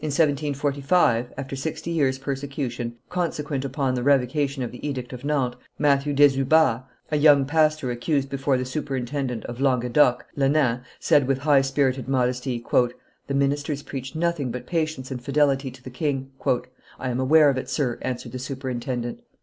In 1745, after sixty years' persecution, consequent upon the revocation of the Edict of Nantes, Matthew Desubas, a young pastor accused before the superintendent of Languedoc, Lenain, said with high spirited modesty, "The ministers preach nothing but patience and fidelity to the king." I am aware of it, sir," answered the superintendent.